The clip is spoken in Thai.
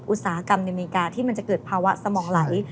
อุตสาหกรรมอเมริกาที่มันจะเกิดภาวะสมองไหล